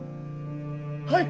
はい！